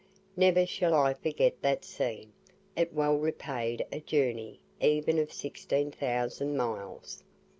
Never shall I forget that scene, it well repaid a journey even of sixteen thousand miles.